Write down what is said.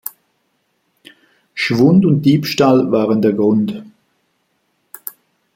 Schwund und Diebstahl waren der Grund.